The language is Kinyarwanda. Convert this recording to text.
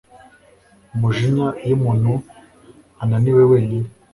umujinya iyo umuntu ananiwe wenyine